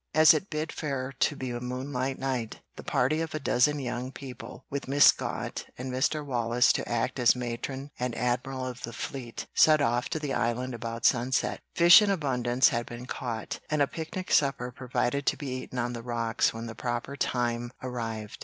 As it bid fair to be a moonlight night, the party of a dozen young people, with Miss Scott and Mr. Wallace to act as matron and admiral of the fleet, set off to the Island about sunset. Fish in abundance had been caught, and a picnic supper provided to be eaten on the rocks when the proper time arrived.